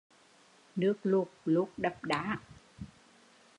Nước lụt lút Đập đá